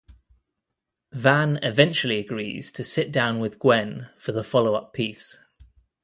Van eventually agrees to sit down with Gwen for the follow-up piece.